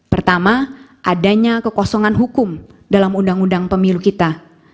pertama adanya kekosongan hukum dalam undang undang pemilu kita